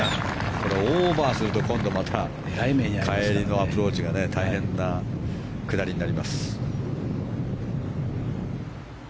オーバーすると今度はまた帰りのアプローチが大変な下りになります。